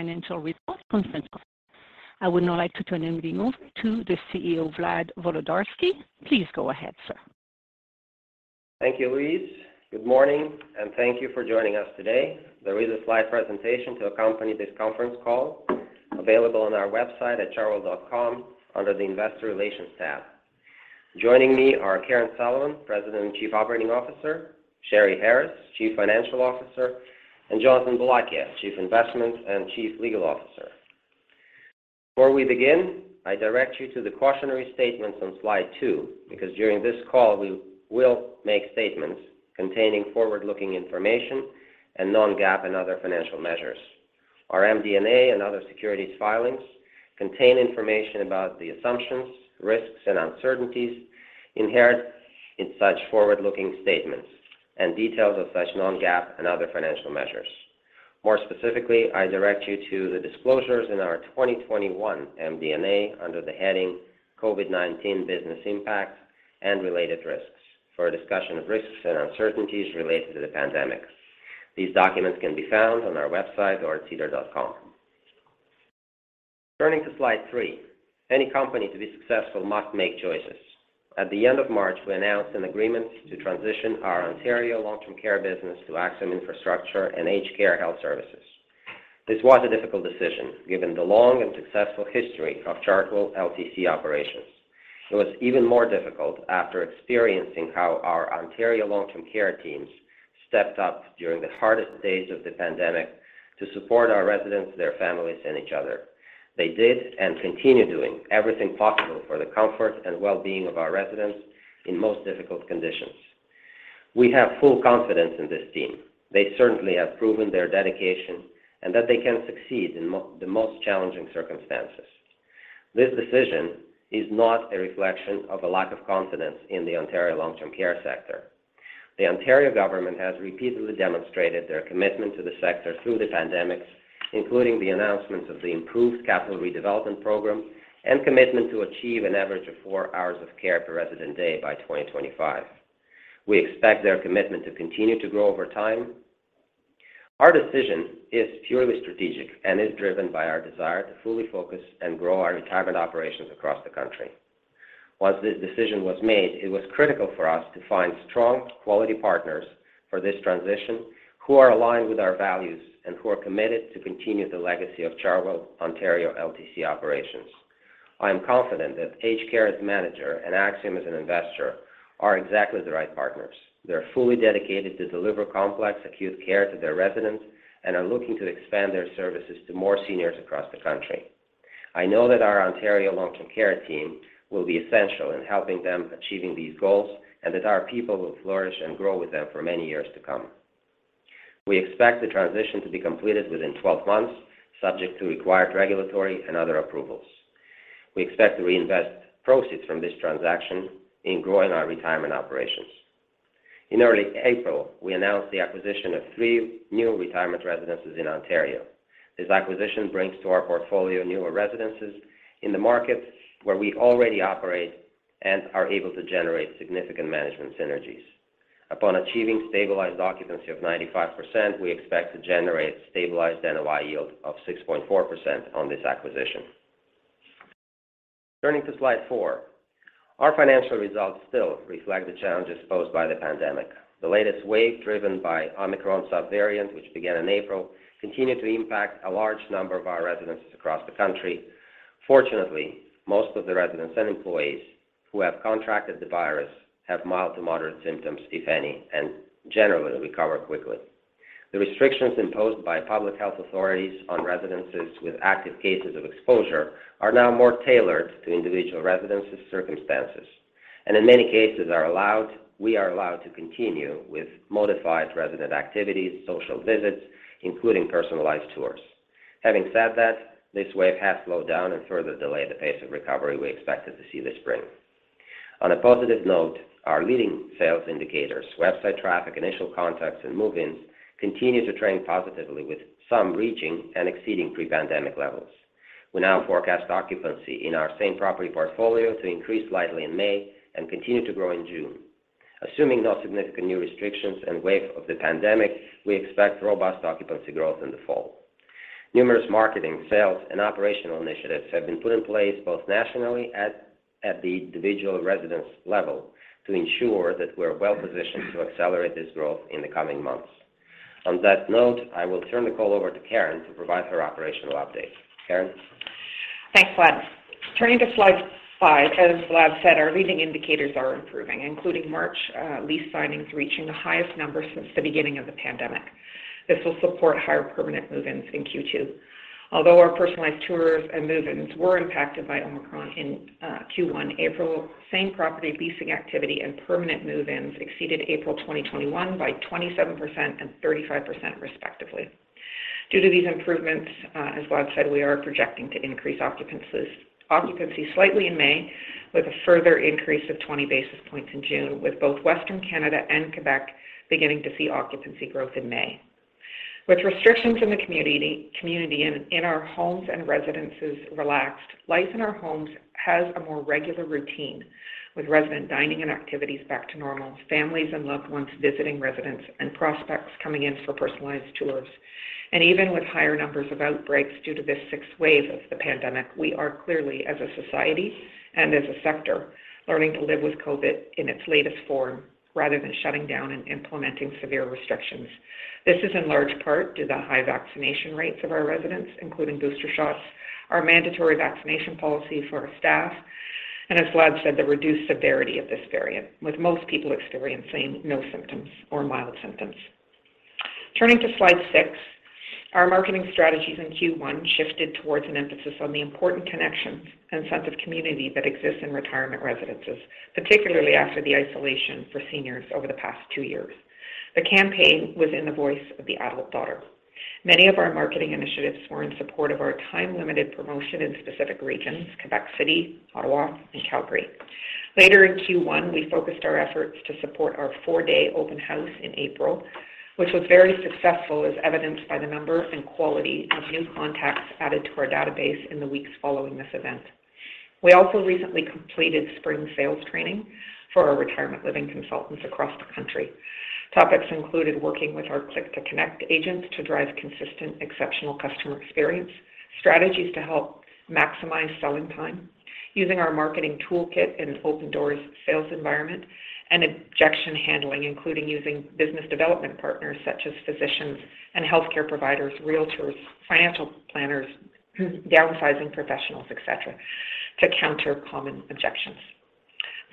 Financial report conference call. I would now like to turn everything over to the CEO, Vlad Volodarski. Please go ahead, sir. Thank you, Louise. Good morning, and thank you for joining us today. There is a slide presentation to accompany this conference call available on our website at chartwell.com under the Investor Relations tab. Joining me are Karen Sullivan, President and Chief Operating Officer, Sheri Harris, Chief Financial Officer, and Jonathan Boulakia, Chief Investment Officer, and Chief Legal Officer. Before we begin, I direct you to the cautionary statements on slide two, because during this call, we will make statements containing forward-looking information and non-GAAP and other financial measures. Our MD&A and other securities filings contain information about the assumptions, risks, and uncertainties inherent in such forward-looking statements and details of such non-GAAP and other financial measures. More specifically, I direct you to the disclosures in our 2021 MD&A under the heading COVID-19 Business Impact and Related Risks for a discussion of risks and uncertainties related to the pandemic. These documents can be found on our website or at sedar.com. Turning to slide three, any company to be successful must make choices. At the end of March, we announced an agreement to transition our Ontario long-term care business to Axium Infrastructure and AgeCare Health Services. This was a difficult decision, given the long and successful history of Chartwell LTC operations. It was even more difficult after experiencing how our Ontario long-term care teams stepped up during the hardest days of the pandemic to support our residents, their families, and each other. They did and continue doing everything possible for the comfort and well-being of our residents in the most difficult conditions. We have full confidence in this team. They certainly have proven their dedication and that they can succeed in the most challenging circumstances. This decision is not a reflection of a lack of confidence in the Ontario long-term care sector. The Ontario government has repeatedly demonstrated its commitment to the sector through the pandemic, including the announcement of the Improved Capital Redevelopment Program and commitment to achieve an average of four hours of care per resident day by 2025. We expect their commitment to continue to grow over time. Our decision is purely strategic and is driven by our desire to fully focus and grow our retirement operations across the country. Once this decision was made, it was critical for us to find strong, quality partners for this transition who are aligned with our values and who are committed to continuing the legacy of Chartwell Ontario LTC operations. I am confident that AgeCare, as manager, and Axium as an investor, are exactly the right partners. They are fully dedicated to delivering complex acute care to their residents and are looking to expand their services to more seniors across the country. I know that our Ontario long-term care team will be essential in helping them achieve these goals and that our people will flourish and grow with them for many years to come. We expect the transition to be completed within 12 months, subject to required regulatory and other approvals. We expect to reinvest proceeds from this transaction in growing our retirement operations. In early April, we announced the acquisition of three new retirement residences in Ontario. This acquisition brings to our portfolio newer residences in the markets where we already operate and are able to generate significant management synergies. Upon achieving stabilized occupancy of 95%, we expect to generate a stabilized NOI yield of 6.4% on this acquisition. Turning to slide four, our financial results still reflect the challenges posed by the pandemic. The latest wave driven by Omicron subvariant, which began in April, continued to impact a large number of our residences across the country. Fortunately, most of the residents and employees who have contracted the virus have mild to moderate symptoms, if any, and generally recover quickly. The restrictions imposed by public health authorities on residences with active cases of exposure are now more tailored to individual residences' circumstances, and in many cases, we are allowed to continue with modified resident activities, social visits, including personalized tours. Having said that, this wave has slowed down and further delayed the pace of recovery we expected to see this spring. On a positive note, our leading sales indicators, website traffic, initial contacts, and move-ins continue to trend positively, with some reaching and exceeding pre-pandemic levels. We now forecast occupancy in our same property portfolio to increase slightly in May and continue to grow in June. Assuming no significant new restrictions and a wave of the pandemic, we expect robust occupancy growth in the fall. Numerous marketing, sales, and operational initiatives have been put in place both nationally at the individual residence level to ensure that we're well-positioned to accelerate this growth in the coming months. On that note, I will turn the call over to Karen to provide her operational update. Karen? Thanks, Vlad. Turning to slide five, as Vlad said, our leading indicators are improving, including March lease signings reaching the highest number since the beginning of the pandemic. This will support higher permanent move-ins in Q2. Although our personalized tours and move-ins were impacted by Omicron in Q1, April same-property leasing activity and permanent move-ins exceeded April 2021 by 27% and 35% respectively. Due to these improvements, as Vlad said, we are projecting to increase occupancy slightly in May with a further increase of 20 basis points in June, with both Western Canada and Quebec beginning to see occupancy growth in May. With restrictions in the community in our homes and residences relaxed, life in our homes has a more regular routine with resident dining and activities back to normal, families and loved ones visiting residents, and prospects coming in for personalized tours. Even with higher numbers of outbreaks due to this sixth wave of the pandemic, we are clearly as a society and as a sector learning to live with COVID in its latest form, rather than shutting down and implementing severe restrictions. This is in large part due to high vaccination rates of our residents, including booster shots, our mandatory vaccination policy for our staff, and as Vlad said, the reduced severity of this variant, with most people experiencing no symptoms or mild symptoms. Turning to slide six, our marketing strategies in Q1 shifted towards an emphasis on the important connections and sense of community that exists in retirement residences, particularly after the isolation for seniors over the past two years. The campaign was in the voice of the adult daughter. Many of our marketing initiatives were in support of our time-limited promotion in specific regions, Quebec City, Ottawa, and Calgary. Later in Q1, we focused our efforts to support our four-day open house in April, which was very successful, as evidenced by the number and quality of new contacts added to our database in the weeks following this event. We also recently completed spring sales training for our retirement living consultants across the country. Topics included working with our Click to Connect agents to drive consistent exceptional customer experience, strategies to help maximize selling time using our marketing toolkit in an open doors sales environment, and objection handling, including using business development partners such as physicians and healthcare providers, realtors, financial planners, downsizing professionals, et cetera, to counter common objections.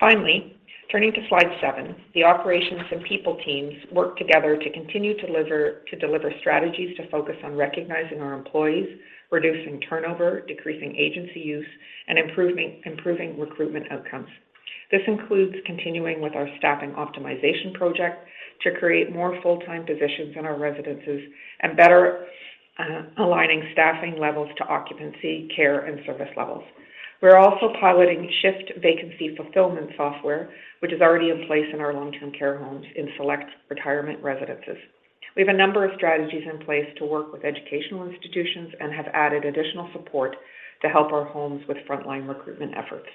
Finally, turning to slide seven, the operations and people teams work together to continue to deliver strategies to focus on recognizing our employees, reducing turnover, decreasing agency use, and improving recruitment outcomes. This includes continuing with our staffing optimization project to create more full-time positions in our residences and better aligning staffing levels to occupancy, care, and service levels. We're also piloting shift vacancy fulfillment software, which is already in place in our long-term care homes in select retirement residences. We have a number of strategies in place to work with educational institutions and have added additional support to help our homes with frontline recruitment efforts.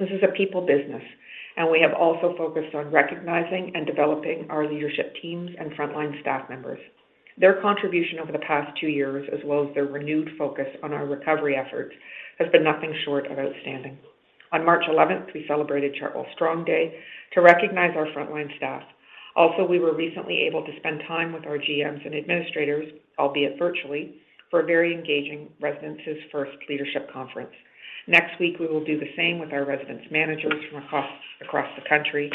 This is a people business, and we have also focused on recognizing and developing our leadership teams and frontline staff members. Their contribution over the past two years, as well as their renewed focus on our recovery efforts, has been nothing short of outstanding. On March eleventh, we celebrated Chartwell Strong Day to recognize our frontline staff. Also, we were recently able to spend time with our GMs and administrators, albeit virtually, for a very engaging Residences First leadership conference. Next week, we will do the same with our residence managers from across the country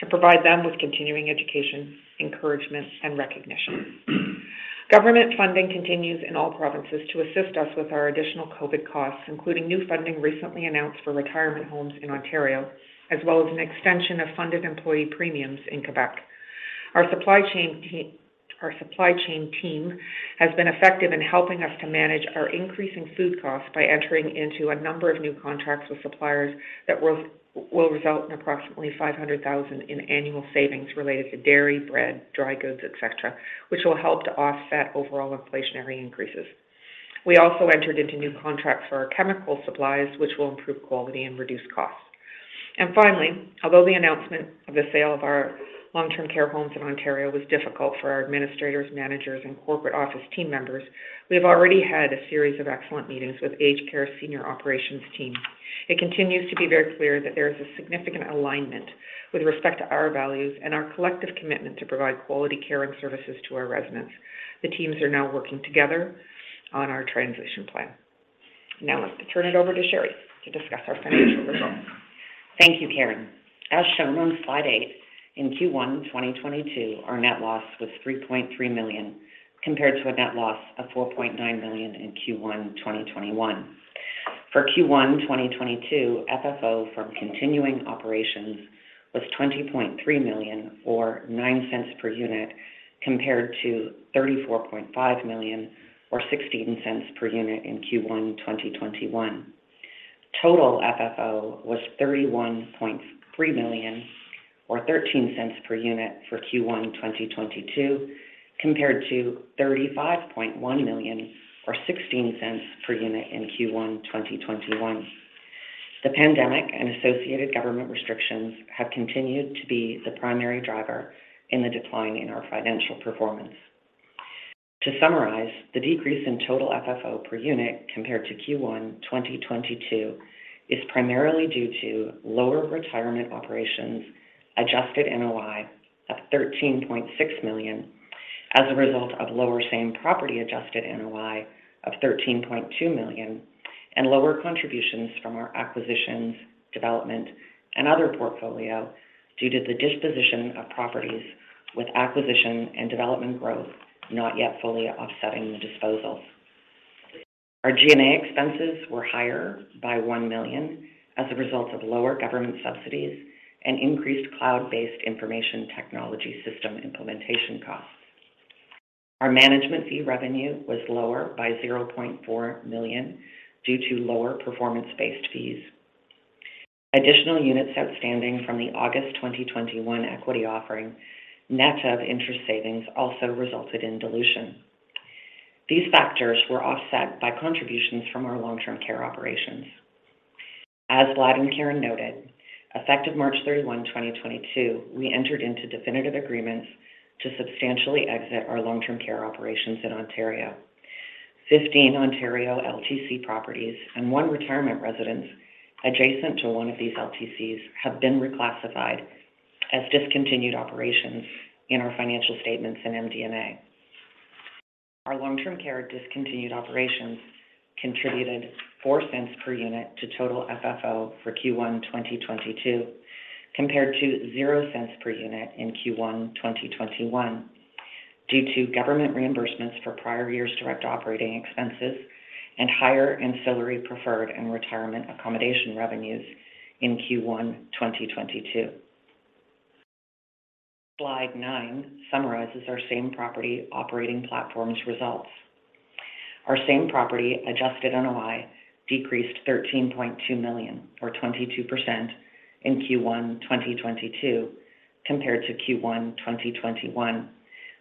to provide them with continuing education, encouragement, and recognition. Government funding continues in all provinces to assist us with our additional COVID costs, including new funding recently announced for retirement homes in Ontario, as well as an extension of funded employee premiums in Quebec. Our supply chain team has been effective in helping us to manage our increasing food costs by entering into a number of new contracts with suppliers that will result in approximately 500,000 in annual savings related to dairy, bread, dry goods, et cetera, which will help to offset overall inflationary increases. We also entered into new contracts for our chemical supplies, which will improve quality and reduce costs. Finally, although the announcement of the sale of our long-term care homes in Ontario was difficult for our administrators, managers, and corporate office team members, we have already had a series of excellent meetings with the AgeCare senior operations team. It continues to be very clear that there is a significant alignment with respect to our values and our collective commitment to provide quality care and services to our residents. The teams are now working together on our transition plan. Now, I'd like to turn it over to Sheri to discuss our financial results. Thank you, Karen. As shown on slide 8, in Q1 2022, our net loss was 3.3 million, compared to a net loss of 4.9 million in Q1 2021. For Q1 2022, FFO from continuing operations was 20.3 million or 0.09 per unit, compared to 34.5 million or 0.16 per unit in Q1 2021. Total FFO was 31.3 million or 0.13 per unit for Q1 2022, compared to 35.1 million or 0.16 per unit in Q1 2021. The pandemic and associated government restrictions have continued to be the primary driver in the decline in our financial performance. To summarize, the decrease in total FFO per unit compared to Q1 2022 is primarily due to lower retirement operations adjusted NOI of 13.6 million as a result of lower same property adjusted NOI of 13.2 million and lower contributions from our acquisitions, development, and other portfolio due to the disposition of properties with acquisition and development growth not yet fully offsetting the disposals. Our G&A expenses were higher by 1 million as a result of lower government subsidies and increased cloud-based information technology system implementation costs. Our management fee revenue was lower by 0.4 million due to lower performance-based fees. Additional units outstanding from the August 2021 equity offering, net of interest savings, also resulted in dilution. These factors were offset by contributions from our long-term care operations. As Vlad and Karen noted, effective March 31, 2022, we entered into definitive agreements to substantially exit our long-term care operations in Ontario. 15 Ontario LTC properties and one retirement residence adjacent to one of these LTCs have been reclassified as discontinued operations in our financial statements in MD&A. Our long-term care discontinued operations contributed 0.04 per unit to total FFO for Q1 2022, compared to 0.00 per unit in Q1 2021 due to government reimbursements for prior years' direct operating expenses and higher ancillary preferred and retirement accommodation revenues in Q1 2022. Slide 9 summarizes our same-property operating platform's results. Our same property adjusted NOI decreased 13.2 million or 22% in Q1 2022 compared to Q1 2021,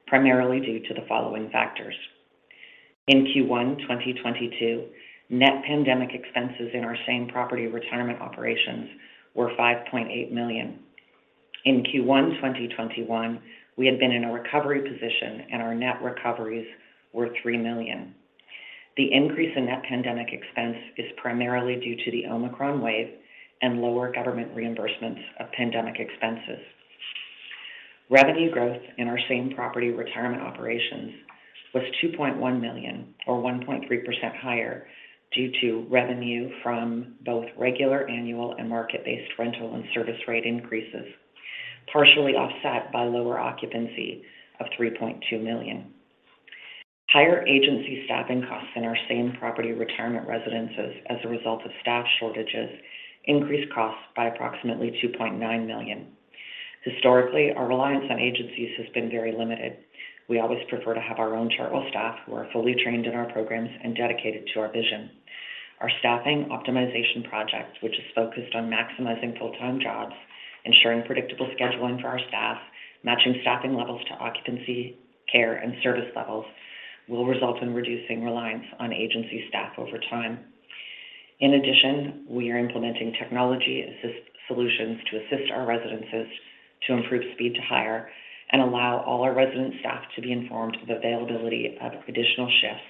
primarily due to the following factors. In Q1 2022, net pandemic expenses in our same-property retirement operations were 5.8 million. In Q1 2021, we had been in a recovery position, and our net recoveries were 3 million. The increase in net pandemic expense is primarily due to the Omicron wave and lower government reimbursements of pandemic expenses. Revenue growth in our same-property retirement operations was 2.1 million or 1.3% higher due to revenue from both regular annual and market-based rental and service rate increases, partially offset by lower occupancy of 3.2 million. Higher agency staffing costs in our same-property retirement residences as a result of staff shortages increased costs by approximately 2.9 million. Historically, our reliance on agencies has been very limited. We always prefer to have our own Chartwell staff who are fully trained in our programs and dedicated to our vision. Our staffing optimization project, which is focused on maximizing full-time jobs, ensuring predictable scheduling for our staff, and matching staffing levels to occupancy, care, and service levels, will result in reducing reliance on agency staff over time. In addition, we are implementing technology-assist solutions to assist our residences to improve speed to hire and allow all our resident staff to be informed of the availability of additional shifts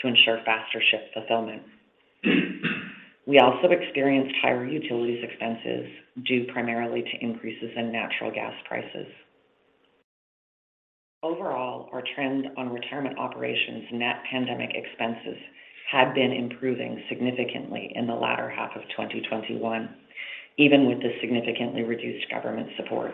to ensure faster shift fulfillment. We also experienced higher utility expenses due primarily to increases in natural gas prices. Overall, our trend on retirement operations net pandemic expenses had been improving significantly in the latter half of 2021, even with the significantly reduced government support.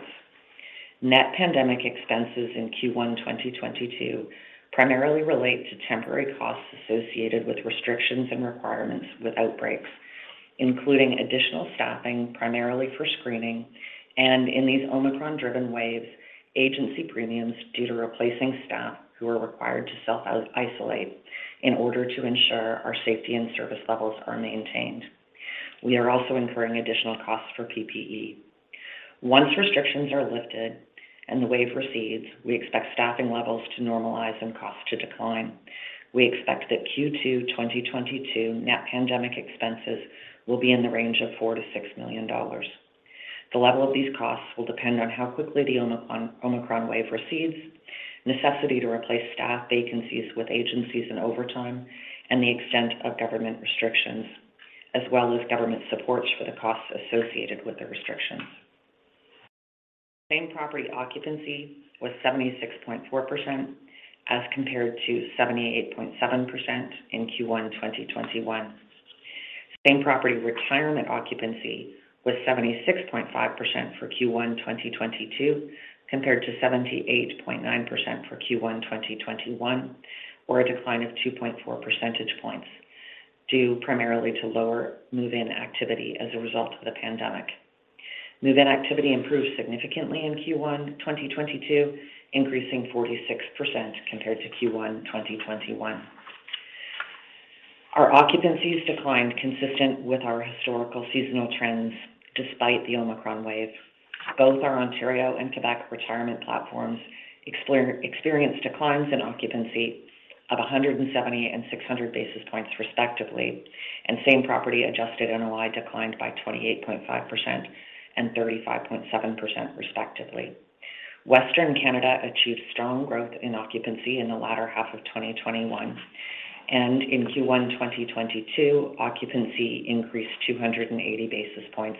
Net pandemic expenses in Q1 2022 primarily relate to temporary costs associated with restrictions and requirements with outbreaks, including additional staffing, primarily for screening. In these Omicron-driven waves, agency premiums due to replacing staff who are required to self-isolate in order to ensure our safety and service levels are maintained. We are also incurring additional costs for PPE. Once restrictions are lifted and the wave recedes, we expect staffing levels to normalize and costs to decline. We expect that Q2 2022 net pandemic expenses will be in the range of 4 million-6 million dollars. The level of these costs will depend on how quickly the Omicron wave recedes, necessity to replace staff vacancies with agencies and overtime, and the extent of government restrictions, as well as government supports for the costs associated with the restrictions. Same-property occupancy was 76.4% as compared to 78.7% in Q1 2021. Same-property retirement occupancy was 76.5% for Q1 2022 compared to 78.9% for Q1 2021 or a decline of 2.4 percentage points due primarily to lower move-in activity as a result of the pandemic. Move-in activity improved significantly in Q1 2022, increasing 46% compared to Q1 2021. Our occupancies declined consistently with our historical seasonal trends despite the Omicron wave. Both our Ontario and Quebec retirement platforms experienced declines in occupancy of 170 and 600 basis points, respectively, and same-property adjusted NOI declined by 28.5% and 35.7%, respectively. Western Canada achieved strong growth in occupancy in the latter half of 2021. In Q1 2022, occupancy increased 280 basis points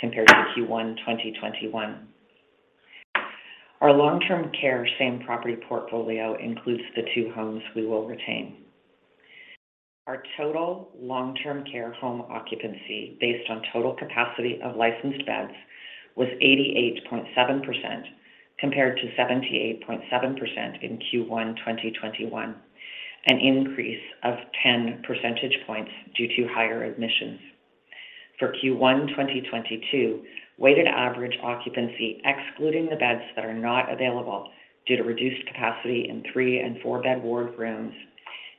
compared to Q1 2021. Our long-term care same-property portfolio includes the two homes we will retain. Our total long-term care home occupancy based on total capacity of licensed beds was 88.7% compared to 78.7% in Q1 2021, an increase of 10 percentage points due to higher admissions. For Q1 2022, weighted average occupancy excluding the beds that are not available due to reduced capacity in three and four-bed ward rooms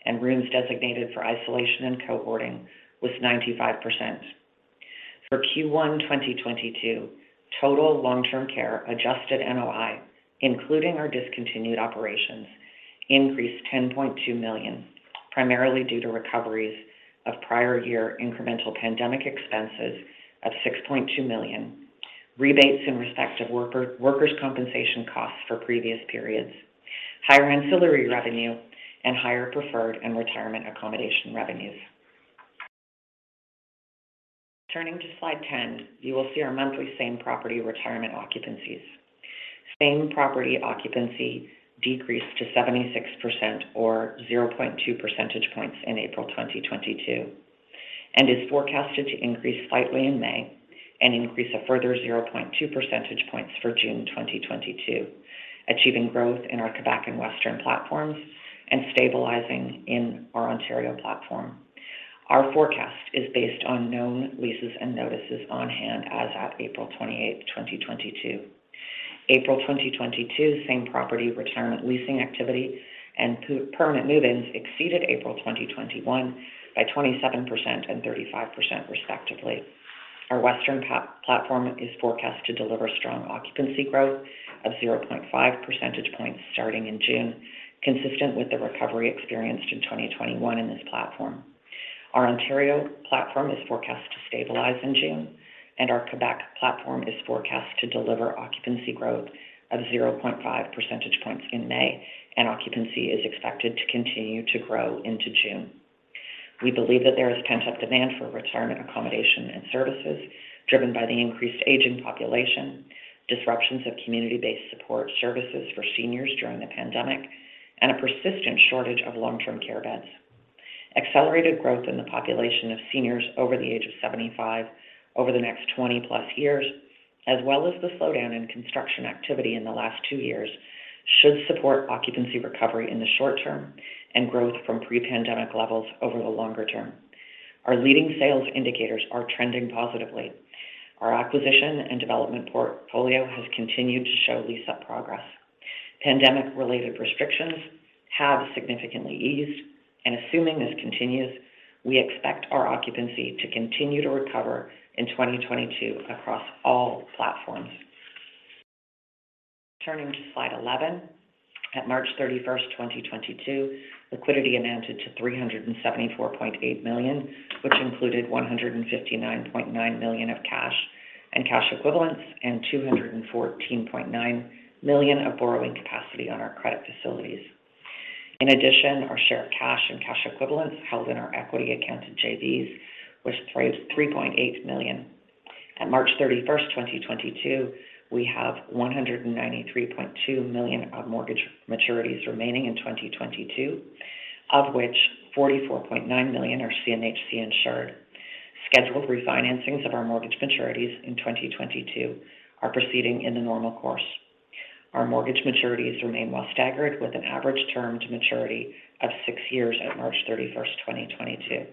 and rooms designated for isolation and cohorting was 95%. For Q1 2022, total long-term care adjusted NOI, including our discontinued operations, increased 10.2 million, primarily due to recoveries of prior year incremental pandemic expenses of 6.2 million, rebates in respect of workers' compensation costs for previous periods, higher ancillary revenue, and higher preferred and retirement accommodation revenues. Turning to slide 10, you will see our monthly same-property retirement occupancies. Same-property occupancy decreased to 76% or 0.2 percentage points in April 2022, and is forecasted to increase slightly in May and increase further by 0.2 percentage points for June 2022, achieving growth in our Quebec and Western platforms and stabilizing in our Ontario platform. Our forecast is based on known leases and notices on hand as of April 28, 2022. April 2022 same-property retirement leasing activity and permanent move-ins exceeded April 2021 by 27% and 35%, respectively. Our Western platform is forecast to deliver strong occupancy growth of 0.5 percentage points starting in June, consistent with the recovery experienced in 2021 in this platform. Our Ontario platform is forecast to stabilize in June, and our Quebec platform is forecast to deliver occupancy growth of 0.5 percentage points in May, and occupancy is expected to continue to grow into June. We believe that there is pent-up demand for retirement accommodations and services driven by the increased aging population, disruptions of community-based support services for seniors during the pandemic, and a persistent shortage of long-term care beds. Accelerated growth in the population of seniors over the age of 75 over the next 20+ years, as well as the slowdown in construction activity in the last two years, should support occupancy recovery in the short term and growth from pre-pandemic levels over the longer term. Our leading sales indicators are trending positively. Our acquisition and development portfolio has continued to show lease-up progress. Pandemic-related restrictions have significantly eased, and assuming this continues, we expect our occupancy to continue to recover in 2022 across all platforms. Turning to slide 11, at March 31, 2022, liquidity amounted to 374.8 million, which included 159.9 million of cash and cash equivalents and 214.9 million of borrowing capacity on our credit facilities. In addition, our share of cash and cash equivalents held in our equity-accounted JVs was CAD 3.8 million. As of March 31, 2022, we have 193.2 million of mortgage maturities remaining in 2022, of which 44.9 million are CMHC insured. Scheduled refinancings of our mortgage maturities in 2022 are proceeding in the normal course. Our mortgage maturities remain well staggered, with an average term to maturity of six years at March 31, 2022.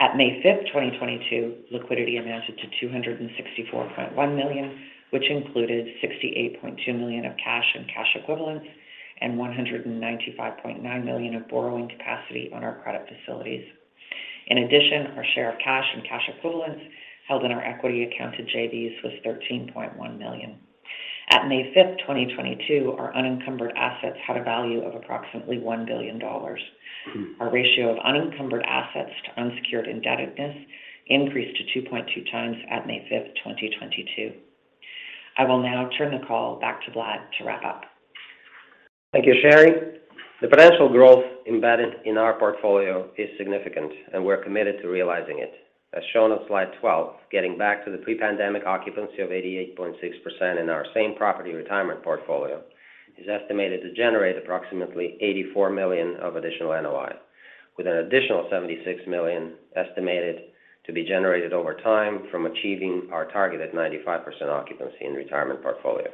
On May 5th, 2022, liquidity amounted to 264.1 million, which included 68.2 million of cash and cash equivalents and 195.9 million of borrowing capacity on our credit facilities. In addition, our share of cash and cash equivalents held in our equity-accounted JVs was 13.1 million. On May 5th, 2022, our unencumbered assets had a value of approximately 1 billion dollars. Our ratio of unencumbered assets to unsecured indebtedness increased to 2.2 times on May 5th, 2022. I will now turn the call back to Vlad to wrap up. Thank you, Sheri. The potential growth embedded in our portfolio is significant, and we're committed to realizing it. As shown on slide 12, getting back to the pre-pandemic occupancy of 88.6% in our same-property retirement portfolio is estimated to generate approximately 84 million of additional NOI, with an additional 76 million estimated to be generated over time from achieving our target at 95% occupancy in retirement portfolio.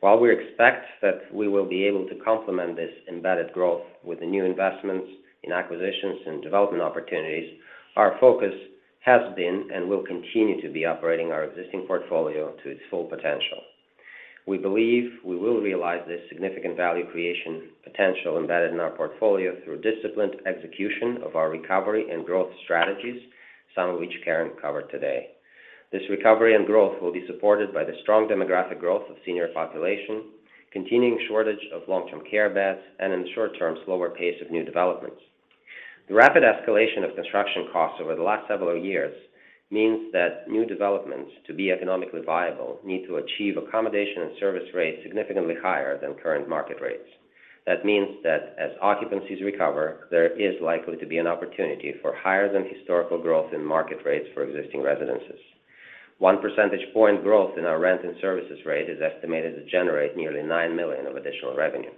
While we expect that we will be able to complement this embedded growth with the new investments in acquisitions and development opportunities, our focus has been and will continue to be operating our existing portfolio to its full potential. We believe we will realize this significant value creation potential embedded in our portfolio through disciplined execution of our recovery and growth strategies, some of which Karen covered today. This recovery and growth will be supported by the strong demographic growth of senior population, continuing shortage of long-term care beds, and in the short term, slower pace of new developments. The rapid escalation of construction costs over the last several years means that new developments, to be economically viable, need to achieve accommodation and service rates significantly higher than current market rates. That means that as occupancies recover, there is likely to be an opportunity for higher than historical growth in market rates for existing residences. 1 percentage point growth in our rent and services rate is estimated to generate nearly 9 million of additional revenue.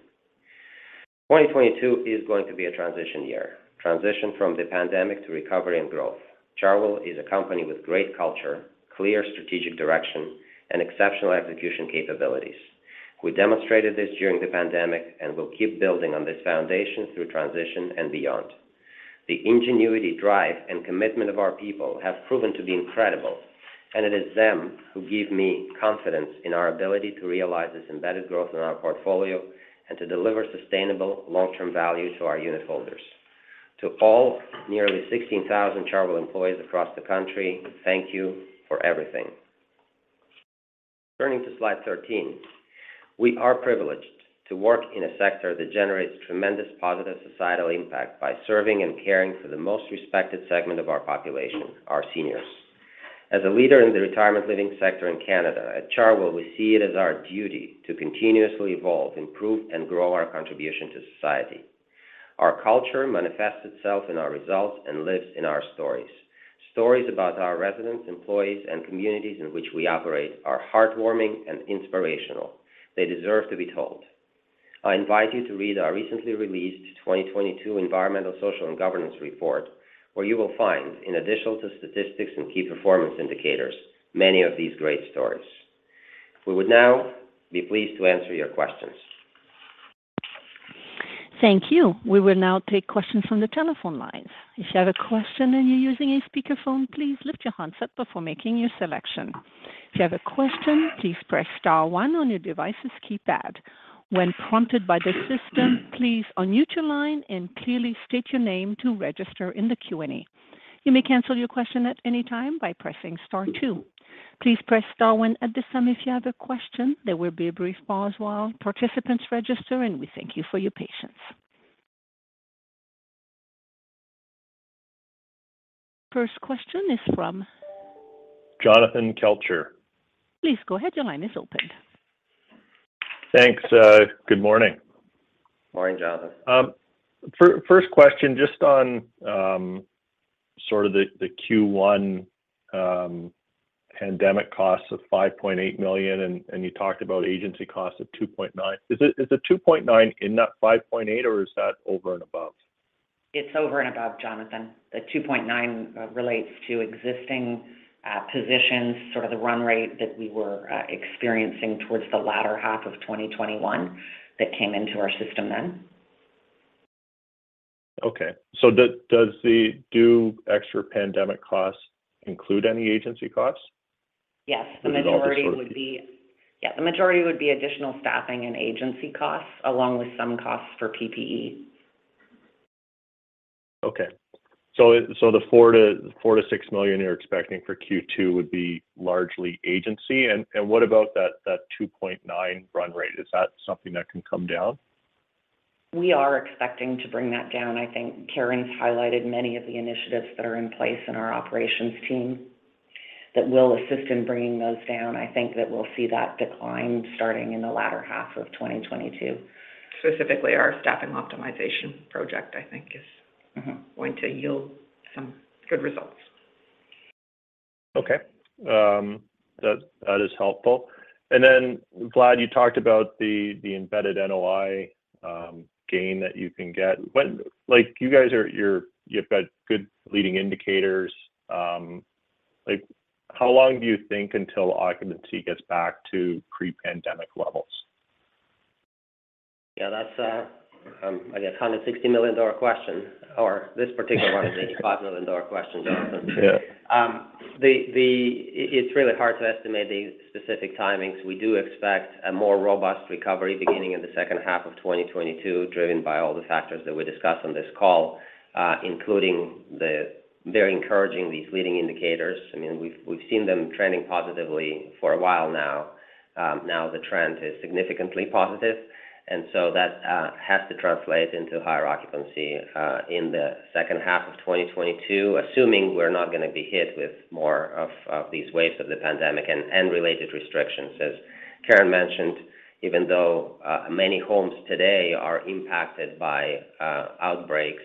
2022 is going to be a transition year, transition from the pandemic to recovery and growth. Chartwell is a company with great culture, clear strategic direction, and exceptional execution capabilities. We demonstrated this during the pandemic and will keep building on this foundation through transition and beyond. The ingenuity, drive, and commitment of our people have proven to be incredible, and it is them who give me confidence in our ability to realize this embedded growth in our portfolio and to deliver sustainable long-term value to our unitholders. To all nearly 16,000 Chartwell employees across the country, thank you for everything. Turning to slide 13, we are privileged to work in a sector that generates tremendous positive societal impact by serving and caring for the most respected segment of our population, our seniors. As a leader in the retirement living sector in Canada, at Chartwell, we see it as our duty to continuously evolve, improve, and grow our contribution to society. Our culture manifests itself in our results and lives in our stories. Stories about our residents, employees, and communities in which we operate are heartwarming and inspirational. They deserve to be told. I invite you to read our recently released 2022 Environmental, Social, and Governance report, where you will find, in addition to statistics and key performance indicators, many of these great stories. We would now be pleased to answer your questions. Thank you. We will now take questions from the telephone lines. If you have a question and you're using a speakerphone, please lift your handset before making your selection. If you have a question, please press star one on your device's keypad. When prompted by the system, please unmute your line and clearly state your name to register in the Q&A. You may cancel your question at any time by pressing star two. Please press star one at this time if you have a question. There will be a brief pause while participants register, and we thank you for your patience. First question is from Jonathan Kelcher. Please go ahead. Your line is open. Thanks. Good morning. Morning, Jonathan. First question, just on sort of the Q1 pandemic costs of 5.8 million, and you talked about agency costs of 2.9 million. Is the 2.9 in that 5.8, or is that over and above? It's over and above, Jonathan. The 2.9 relates to existing positions, sort of the run rate that we were experiencing towards the latter half of 2021 that came into our system then. Does the additional pandemic costs include any agency costs? Yes. Is it all the sort- The majority would be additional staffing and agency costs, along with some costs for PPE. Okay. The 4 million-6 million you're expecting for Q2 would be largely agency. What about that 2.9 run rate? Is that something that can come down? We are expecting to bring that down. I think Karen has highlighted many of the initiatives that are in place in our operations team that will assist in bringing those down. I think that we'll see that decline starting in the latter half of 2022. Specifically, our staffing optimization project, I think, is. Mm-hmm Going to yield some good results. Okay. That is helpful. Glad you talked about the embedded NOI gain that you can get. Like, you've got good leading indicators. Like, how long do you think until occupancy gets back to pre-pandemic levels? Yeah, that's, I guess, $160 million question, or this particular one is a $85 million question, Jonathan. Yeah. It's really hard to estimate the specific timings. We do expect a more robust recovery beginning in the second half of 2022, driven by all the factors that we discussed on this call, including these very encouraging leading indicators. I mean, we've seen them trending positively for a while now. Now the trend is significantly positive. That has to translate into higher occupancy in the second half of 2022, assuming we're not gonna be hit with more of these waves of the pandemic and related restrictions. As Karen mentioned, even though many homes today are impacted by outbreaks,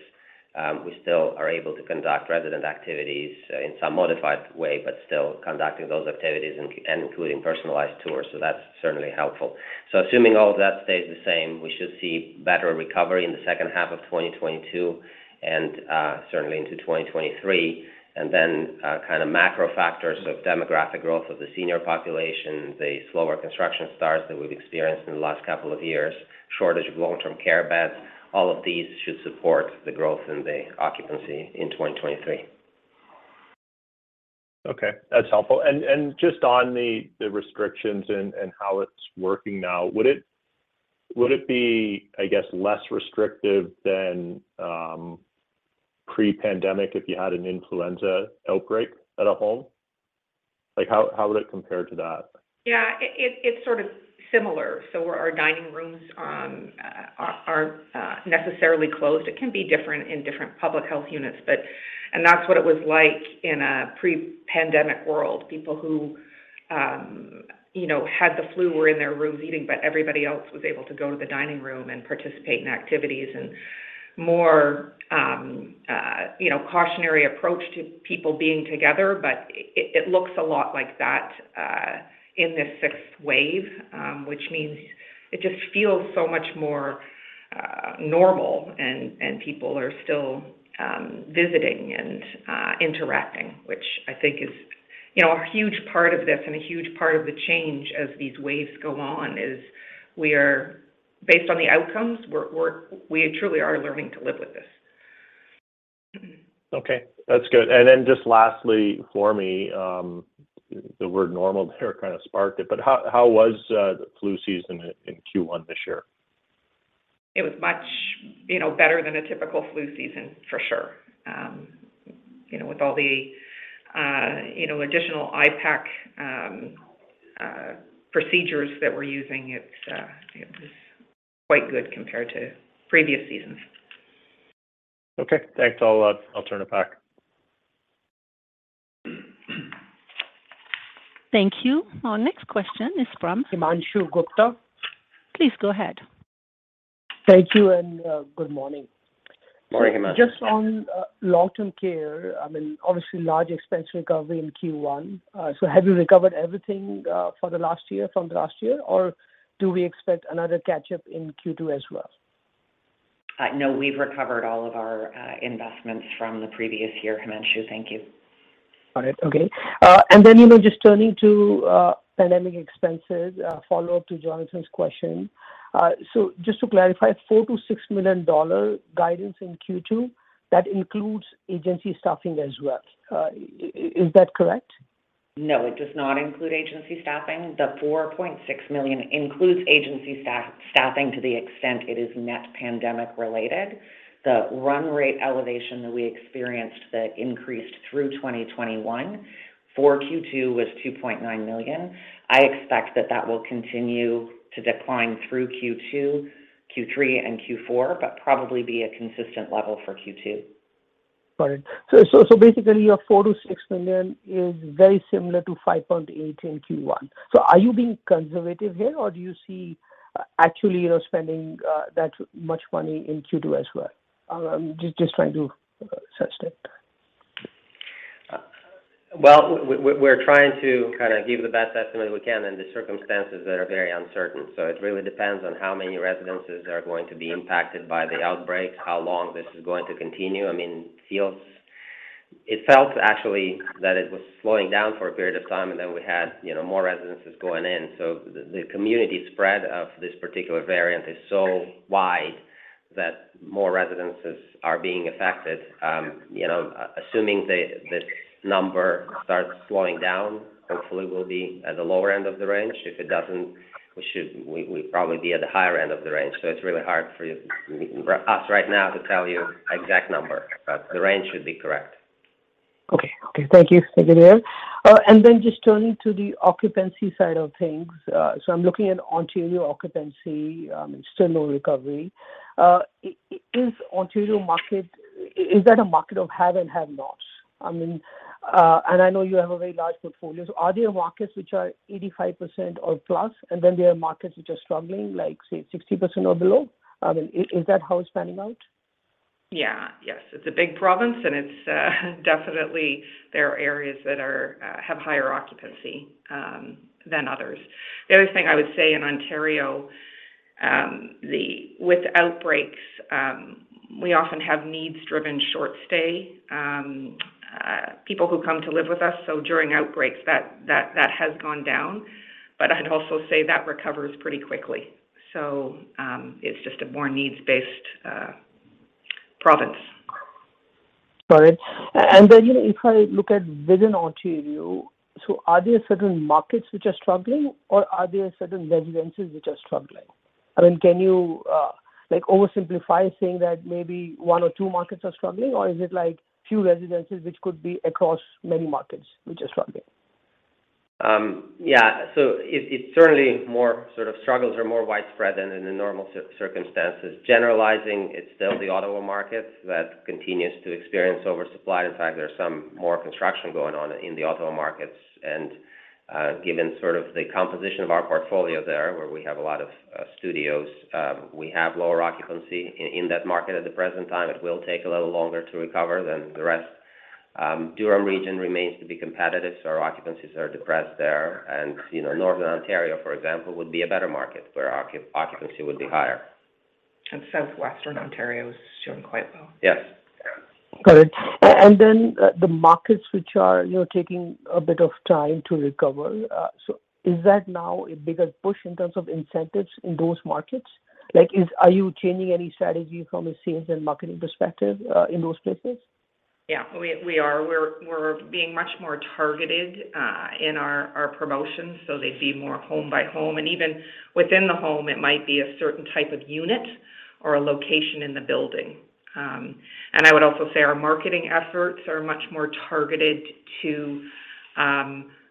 we still are able to conduct resident activities in some modified way, but still conducting those activities, including personalized tours. That's certainly helpful. Assuming all of that stays the same, we should see better recovery in the second half of 2022 and certainly into 2023. Kind of macro factors of demographic growth of the senior population, the slower construction starts that we've experienced in the last couple of years, shortage of long-term care beds, all of these should support the growth in the occupancy in 2023. Okay. That's helpful. Just on the restrictions and how it's working now, would it be, I guess, less restrictive than pre-pandemic if you had an influenza outbreak at a home? Like, how would it compare to that? Yeah. It's sort of similar. Our dining rooms are necessarily closed. It can be different in different public health units, but. That's what it was like in a pre-pandemic world. People who, you know, had the flu were in their rooms eating, but everybody else was able to go to the dining room and participate in activities and more, you know, cautionary approach to people being together. It looks a lot like that in this sixth wave, which means it just feels so much more normal and people are still visiting and interacting, which I think is, you know, a huge part of this and a huge part of the change as these waves go on is we are, based on the outcomes, we truly are learning to live with this. Okay. That's good. Then just lastly for me, the word normal there kind of sparked it, but how was the flu season in Q1 this year? It was much, you know, better than a typical flu season for sure. You know, with all the you know, additional IPAC procedures that we're using, it was quite good compared to previous seasons. Okay. Thanks a lot. I'll turn it back. Thank you. Our next question is from. Himanshu Gupta. Please go ahead. Thank you, and good morning. Morning, Himanshu. Just on long-term care, I mean, obviously large expense recovery in Q1. Have you recovered everything for the last year, from the last year? Or do we expect another catch-up in Q2 as well? No, we've recovered all of our investments from the previous year, Himanshu. Thank you. All right. Okay. You know, just turning to pandemic expenses, a follow-up to Jonathan's question. Just to clarify, 4 million-6 million dollar guidance in Q2, that includes agency staffing as well. Is that correct? No, it does not include agency staffing. The 4.6 million includes agency staffing to the extent it is net pandemic-related. The run rate elevation that we experienced, which increased through 2021 for Q2, was 2.9 million. I expect that will continue to decline through Q2, Q3, and Q4, but will probably be at a consistent level for Q2. Got it. Basically, your 4 million-6 million is very similar to 5.8 million in Q1. Are you being conservative here, or do you actually see, you know, spending that much money in Q2 as well? Just trying to assess that. We're trying to kind of give the best estimate we can in the circumstances that are very uncertain. It really depends on how many residences are going to be impacted by the outbreaks and how long this is going to continue. I mean, it felt actually that it was slowing down for a period of time, and then we had, you know, more residences going in. The community spread of this particular variant is so wide that more residences are being affected. You know, assuming the number starts slowing down, hopefully we'll be at the lower end of the range. If it doesn't, we'd probably be at the higher end of the range. It's really hard for us right now to tell you the exact number, but the range should be correct. Okay. Thank you there. Just turning to the occupancy side of things. I'm looking at Ontario occupancy, and still no recovery. Is the Ontario market, is that a market of have and have-nots? I mean, I know you have a very large portfolio. Are there markets that are 85% or plus, and then there are markets that are struggling, like, say, 60% or below? I mean, is that how it's panning out? Yeah. Yes. It's a big province, and it's definitely there are areas that have higher occupancy than others. The other thing I would say in Ontario, with outbreaks, we often have needs-driven short stay people who come to live with us, so during outbreaks that has gone down. I'd also say that recovers pretty quickly. It's just a more needs-based province. Got it. You know, if I look at within Ontario, so are there certain markets which are struggling, or are there certain residences which are struggling? I mean, can you, like oversimplify saying that maybe one or two markets are struggling, or is it, like, few residences which could be across many markets which are struggling? It’s certainly more sort of struggles are more widespread than in the normal circumstances. Generalizing, it’s still the Ottawa markets that continues to experience oversupply. In fact, there’s some more construction going on in the Ottawa markets. Given sort of the composition of our portfolio there, where we have a lot of studios, we have lower occupancy in that market at the present time. It will take a little longer to recover than the rest. Durham Region remains to be competitive, so our occupancies are depressed there. You know, Northern Ontario, for example, would be a better market where occupancy would be higher. Southwestern Ontario is doing quite well. Yes. Got it. The markets which are, you know, taking a bit of time to recover, so is that now a bigger push in terms of incentives in those markets? Like, are you changing any strategy from a sales and marketing perspective, in those places? Yeah. We are. We're being much more targeted in our promotions, so they see more home by home. Even within the home, it might be a certain type of unit or a location in the building. I would also say our marketing efforts are much more targeted to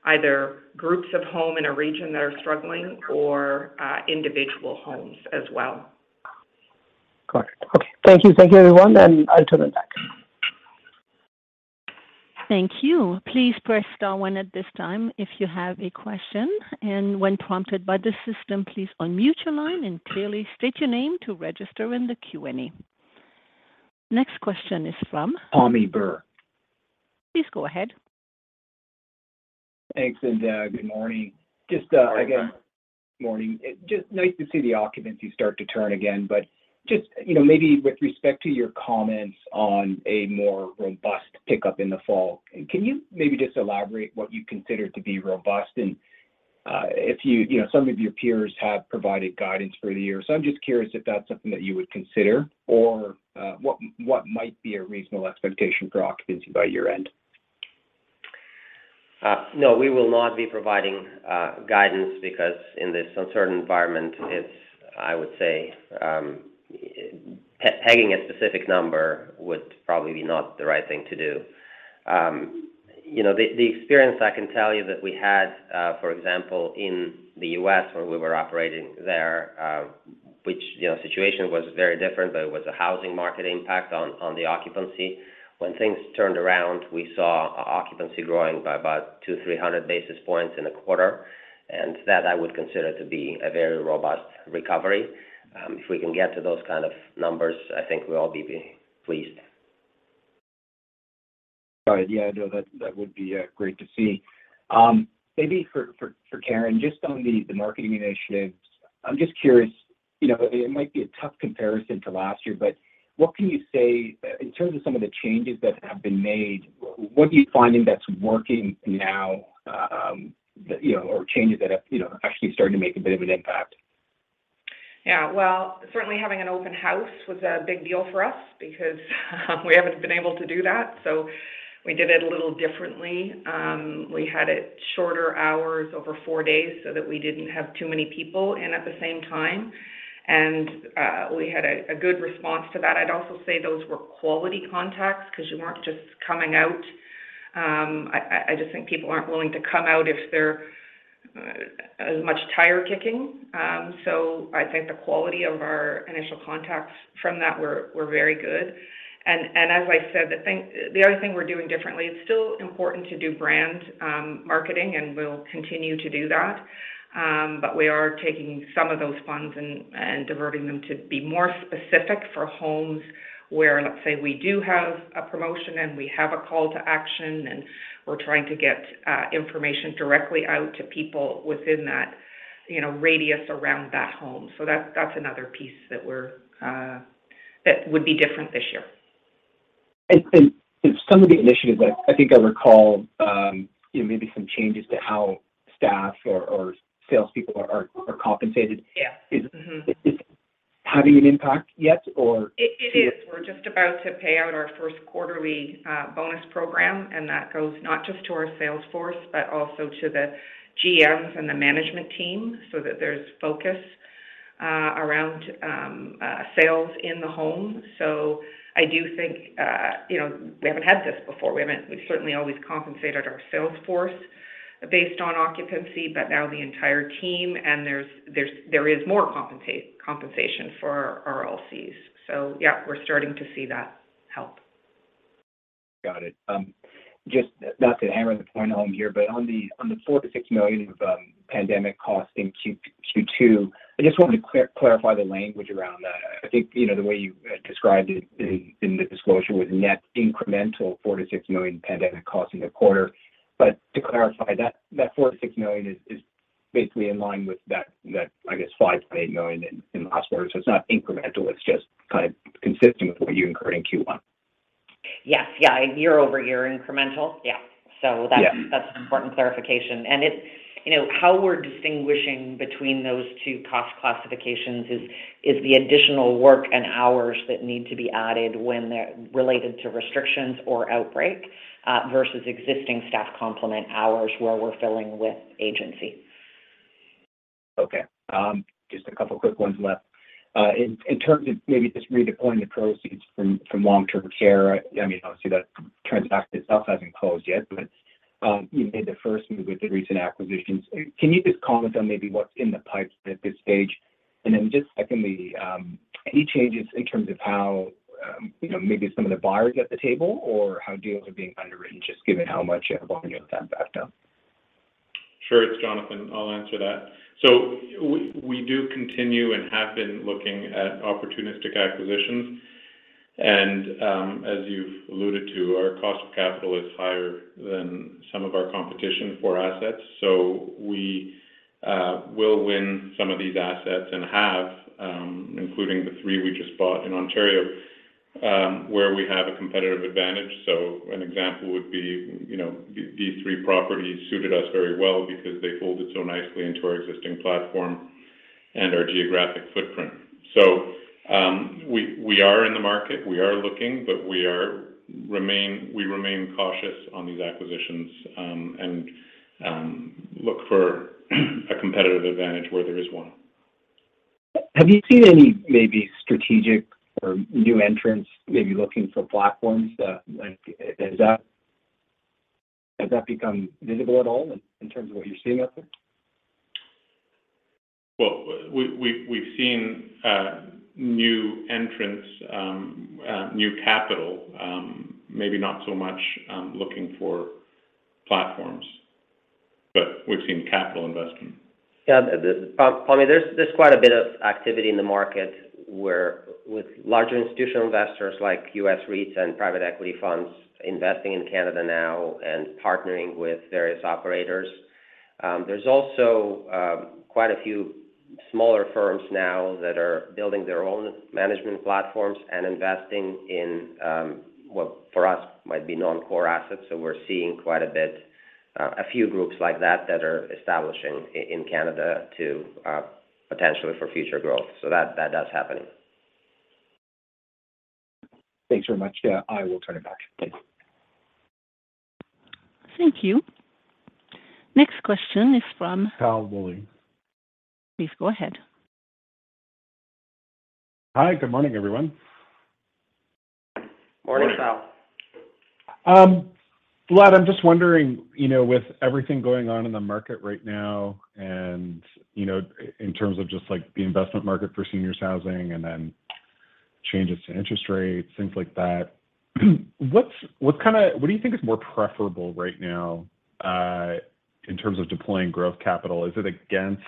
either groups of homes in a region that are struggling or individual homes as well. Got it. Okay. Thank you. Thank you, everyone, and I'll turn it back. Thank you. Please press star one at this time if you have a question. When prompted by the system, please unmute your line and clearly state your name to register in the Q&A. Next question is from. Pammi Bir. Please go ahead. Thanks, and, good morning. Just, I guess. Good morning. Morning. Just nice to see the occupancy start to turn again. Just, you know, maybe with respect to your comments on a more robust pickup in the fall, can you maybe just elaborate what you consider to be robust? If you know, some of your peers have provided guidance for the year. I'm just curious if that's something that you would consider or, what might be a reasonable expectation for occupancy by year-end? No, we will not be providing guidance because in this uncertain environment, it's, I would say, pegging a specific number would probably be not the right thing to do. You know, the experience I can tell you that we had, for example, in the U.S. where we were operating there, which, you know, situation was very different, but it was a housing market impact on the occupancy. When things turned around, we saw occupancy growing by about 200-300 basis points in a quarter, and that I would consider to be a very robust recovery. If we can get to those kind of numbers, I think we'll all be pleased. Right. Yeah, no, that would be great to see. Maybe for Karen, just on the marketing initiatives, I'm just curious, you know, it might be a tough comparison to last year, but what can you say in terms of some of the changes that have been made, what are you finding that's working now, that you know, or changes that have, you know, actually started to make a bit of an impact? Yeah. Well, certainly having an open house was a big deal for us because we haven't been able to do that. We did it a little differently. We had it shorter hours over four days so that we didn't have too many people in at the same time. We had a good response to that. I'd also say those were quality contacts because you weren't just coming out. I just think people aren't willing to come out if they're doing as much tire-kicking. I think the quality of our initial contacts from that was very good. As I said, the other thing we're doing differently, it's still important to do brand marketing, and we'll continue to do that. We are taking some of those funds and diverting them to be more specific for homes where, let's say, we do have a promotion, and we have a call to action, and we're trying to get information directly out to people within that, you know, radius around that home. That's another piece that would be different this year. Some of the initiatives I think I recall, you know, maybe some changes to how staff or salespeople are compensated. Yeah. Mm-hmm. Is it having an impact yet? It is. We're just about to pay out our first quarterly bonus program, and that goes not just to our sales force, but also to the GMs and the management team so that there's focus around sales in the home. I do think, you know, we haven't had this before. We've certainly always compensated our sales force based on occupancy, but now the entire team, and there is more compensation for our LCs. Yeah, we're starting to see that help. Got it. Just not to hammer the point home here, but on the 4 million-6 million of pandemic costs in Q2, I just wanted to clarify the language around that. I think, you know, the way you described it in the disclosure was net incremental 4 million-6 million pandemic costs in the quarter. To clarify, that 4 million-6 million is basically in line with that, I guess, 5 million-8 million in the last quarter. It's not incremental; it's just kind of consistent with what you incurred in Q1. Yes. Yeah. Year-over-year incremental. Yeah. Yeah. That's an important clarification. It's you know how we're distinguishing between those two cost classifications is the additional work and hours that need to be added when they're related to restrictions or outbreak versus existing staff complement hours where we're filling with agency. Okay. Just a couple quick ones left. In terms of maybe just redeploying the proceeds from long-term care, I mean, obviously that transaction itself hasn't closed yet, but you made the first move with the recent acquisitions. Can you just comment on maybe what's in the pipeline at this stage? Just secondly, any changes in terms of how you know, maybe some of the buyers at the table or how deals are being underwritten, just given how much volume you have backed up? Sure. It's Jonathan. I'll answer that. We do continue and have been looking at opportunistic acquisitions. As you've alluded to, our cost of capital is higher than some of our competition for assets. We will win some of these assets and have, including the three we just bought in Ontario, where we have a competitive advantage. An example would be, you know, these three properties suited us very well because they folded so nicely into our existing platform and our geographic footprint. We are in the market, we are looking, but we remain cautious on these acquisitions, and look for a competitive advantage where there is one. Have you seen any maybe strategic or new entrants maybe looking for platforms? Has that become visible at all in terms of what you're seeing out there? Well, we've seen new entrants, new capital, maybe not so much looking for platforms, but we've seen capital investing. Yeah. Pammi Bir, I mean, there's quite a bit of activity in the market with larger institutional investors like U.S. REITs and private equity funds investing in Canada now and partnering with various operators. There are also quite a few smaller firms now that are building their own management platforms and investing in what for us might be non-core assets. We're seeing quite a bit, a few groups like that that are establishing in Canada, potentially for future growth. That does happen. Thanks very much. Yeah, I will turn it back. Thanks. Thank you. Next question is from. Tal Woolley. Please go ahead. Hi. Good morning, everyone. Morning, Tal. Vlad, I'm just wondering, you know, with everything going on in the market right now and, you know, in terms of just like the investment market for seniors housing and then changes to interest rates, things like that, what do you think is more preferable right now, in terms of deploying growth capital? Is it against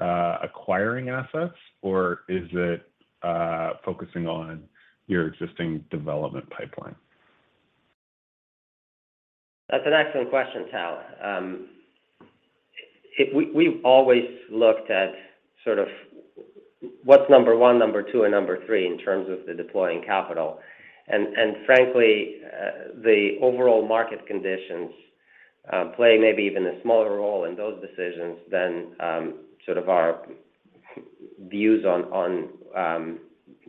acquiring assets, or is it focusing on your existing development pipeline? That's an excellent question, Tal. We've always looked at sort of what's number one, number two, and number three in terms of the deployment of capital. Frankly, the overall market conditions play maybe even a smaller role in those decisions than sort of our views on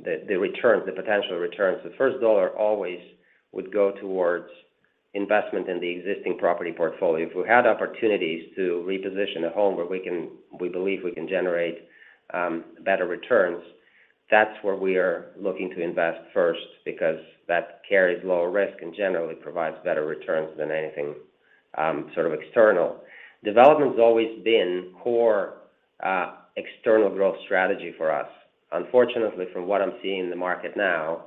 the returns, the potential returns. The first dollar always would go towards investment in the existing property portfolio. If we had opportunities to reposition a home where we believe we can generate better returns, that's where we are looking to invest first because that carries lower risk and generally provides better returns than anything sort of external. Development's always been core external growth strategy for us. Unfortunately, from what I'm seeing in the market now,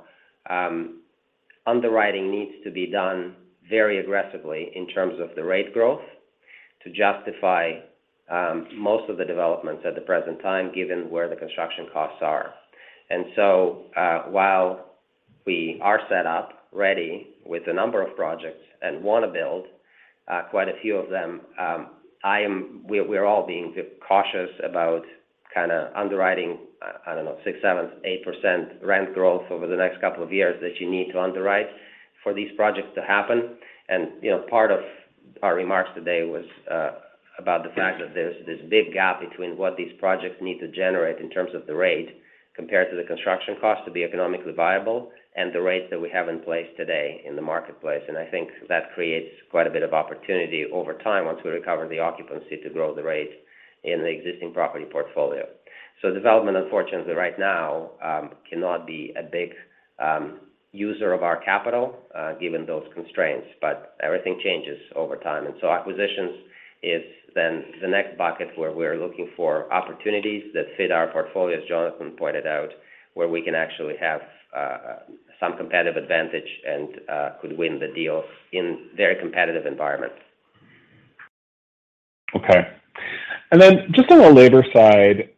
underwriting needs to be done very aggressively in terms of the rate growth to justify most of the developments at the present time, given where the construction costs are. While we are set up ready with a number of projects and wanna build quite a few of them, we're all being cautious about kinda underwriting, I don't know, 6%-8% rent growth over the next couple of years that you need to underwrite for these projects to happen. You know, part of our remarks today was about the fact that there's this big gap between what these projects need to generate in terms of the rate compared to the construction cost to be economically viable and the rates that we have in place today in the marketplace. I think that creates quite a bit of opportunity over time once we recover the occupancy to grow the rate in the existing property portfolio. Development, unfortunately, right now, cannot be a big user of our capital, given those constraints. Everything changes over time, and so acquisitions is then the next bucket where we're looking for opportunities that fit our portfolio, as Jonathan pointed out, where we can actually have some competitive advantage and could win the deals in very competitive environments. Okay. Just on the labor side,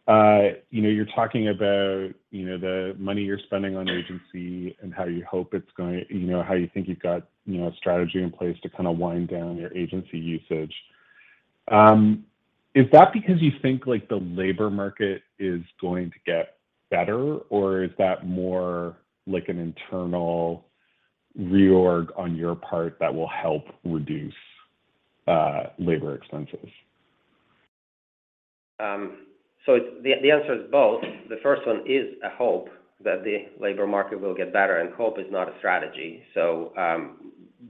you know, you're talking about, you know, the money you're spending on agency and how you think you've got, you know, a strategy in place to kinda wind down your agency usage. Is that because you think, like, the labor market is going to get better, or is that more like an internal reorg on your part that will help reduce labor expenses? The answer is both. The first one is a hope that the labor market will get better, and hope is not a strategy.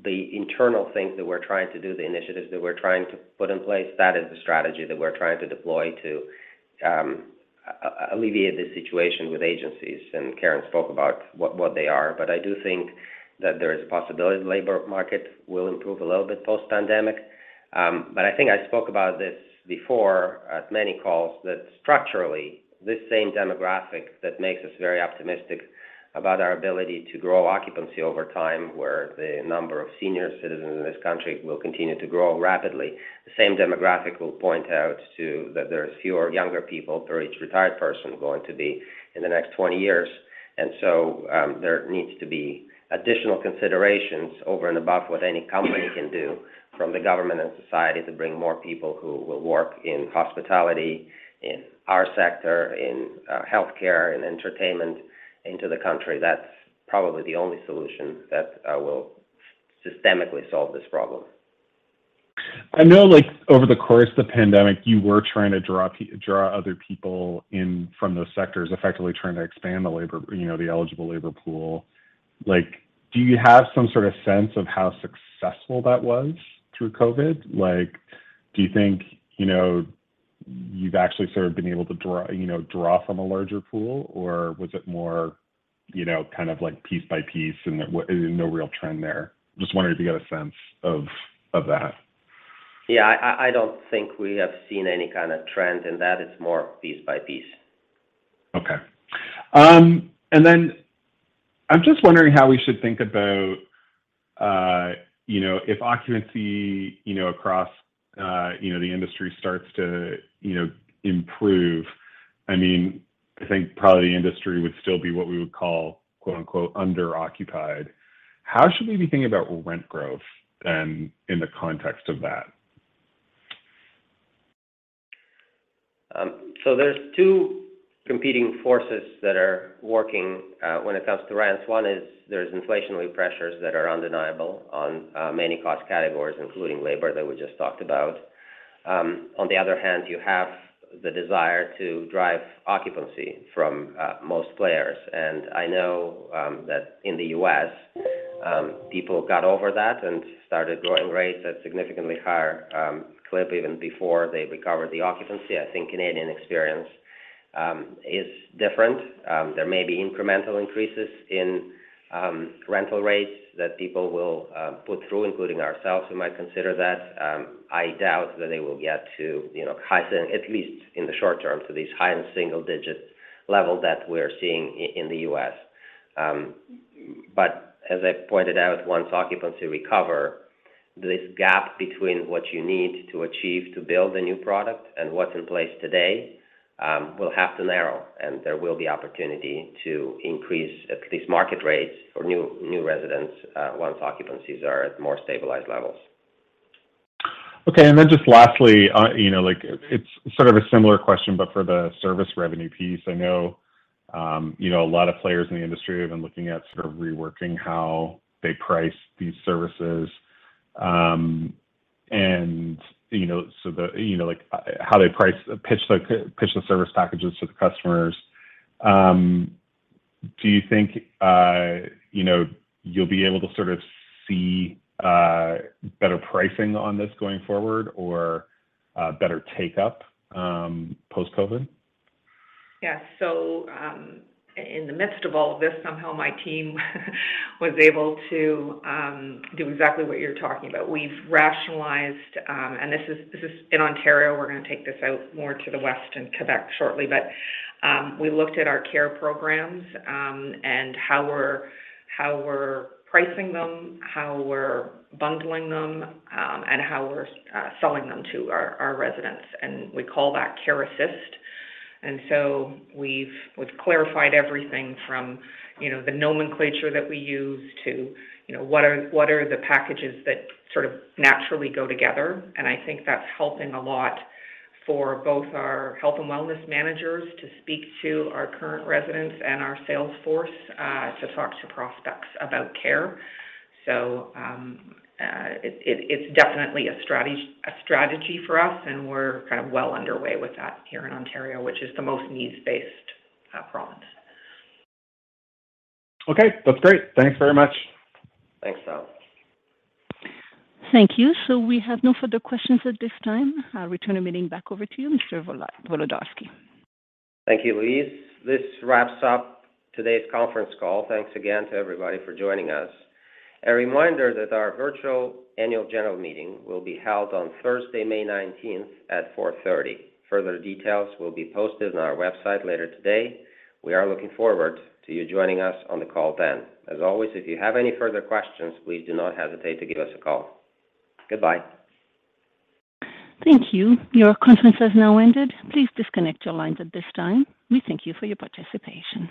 The internal things that we're trying to do, the initiatives that we're trying to put in place, are the strategy that we're trying to deploy to alleviate this situation with agencies. Karen spoke about what they are. I do think that there is a possibility that the labor market will improve a little bit post-pandemic. I think I spoke about this before at many calls that structurally, this same demographic that makes us very optimistic about our ability to grow occupancy over time, where the number of senior citizens in this country will continue to grow rapidly, the same demographic will point out to that there are fewer younger people for each retired person going to be in the next 20 years. There needs to be additional considerations over and above what any company can do from the government and society to bring more people who will work in hospitality, in our sector, in healthcare, and in entertainment into the country. That's probably the only solution that will systemically solve this problem. I know, like, over the course of the pandemic, you were trying to draw other people in from those sectors, effectively trying to expand the labor, you know, the eligible labor pool. Like, do you have some sort of sense of how successful that was through COVID? Like, do you think, you know, you've actually sort of been able to draw, you know, from a larger pool, or was it more, you know, kind of like piece by piece, and there was no real trend there? Just wondering if you got a sense of that. Yeah. I don't think we have seen any kinda trend in that. It's more piece by piece. Okay. I'm just wondering how we should think about, you know, if occupancy, you know, across, you know, the industry starts to, you know, improve. I mean, I think probably the industry would still be what we would call, quote-unquote, under-occupied. How should we be thinking about rent growth in the context of that? There are two competing forces that are working when it comes to rents. One is that there are inflationary pressures that are undeniable on many cost categories, including labor, that we just talked about. On the other hand, you have the desire to drive occupancy from most players. I know that in the U.S., people got over that and started growing rates at a significantly higher clip even before they recovered the occupancy. I think the Canadian experience is different. There may be incremental increases in rental rates that people will put through, including ourselves. We might consider that. I doubt that they will get to, you know, at least in the short term, to these high and single-digit levels that we're seeing in the U.S. As I pointed out, once occupancy recovers, this gap between what you need to achieve to build a new product and what's in place today will have to narrow, and there will be an opportunity to increase at least market rates for new residents, once occupancies are at more stabilized levels. Okay. Just lastly, you know, like it's sort of a similar question, but for the service revenue piece. I know, you know, a lot of players in the industry have been looking at sort of reworking how they price these services. You know, like how they pitch the service packages to the customers. Do you think, you know, you'll be able to sort of see better pricing on this going forward, or better take-up post-COVID? Yeah. In the midst of all of this, somehow my team was able to do exactly what you're talking about. We've rationalized. This is in Ontario. We're gonna take this out more to the West and Quebec shortly. We looked at our care programs, and how we're pricing them, how we're bundling them, and how we're selling them to our residents, and we call that Care Assist. We've clarified everything from, you know, the nomenclature that we use to, you know, what are the packages that sort of naturally go together. I think that's helping a lot for both our health and wellness managers to speak to our current residents and our sales force to talk to prospects about care. It's definitely a strategy for us, and we're kind of well underway with that here in Ontario, which is the most needs-based province. Okay. That's great. Thanks very much. Thanks, Tal Woolley. Thank you. We have no further questions at this time. I'll return the meeting back over to you, Mr. Volodarski. Thank you, Louise. This wraps up today's conference call. Thanks again to everybody for joining us. A reminder that our virtual annual general meeting will be held on Thursday, May 19, at 4:30 P.M. Further details will be posted on our website later today. We are looking forward to you joining us on the call then. As always, if you have any further questions, please do not hesitate to give us a call. Goodbye. Thank you. Your conference has now ended. Please disconnect your lines at this time. We thank you for your participation.